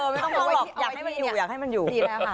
ไม่ต้องหลอกอยากให้มันอยู่